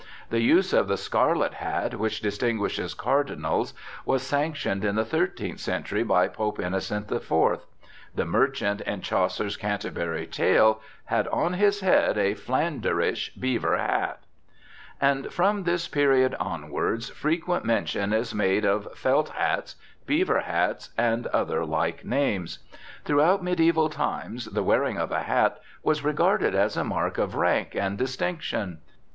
The use of the scarlet hat which distinguishes cardinals was sanctioned in the 13th century by Pope Innocent IV. The merchant in Chaucer's Canterbury Tales had "On his head a Flaundrish bever hat"; and from this period onwards frequent mention is made of "felt hattes," "beever hattes," and other like names. Throughout mediaeval times the wearing of a hat was regarded as a mark of rank and distinction.